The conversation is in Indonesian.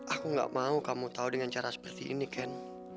aku gak mau kamu tahu dengan cara seperti ini kan